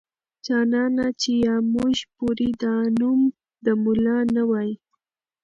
جانانه چې يا موږ پورې دا نوم د ملا نه واي.